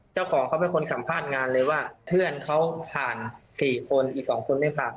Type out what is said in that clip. เจ้าของเขาเป็นคนสัมภาษณ์งานเลยว่าเพื่อนเขาผ่าน๔คนอีก๒คนไม่ผ่าน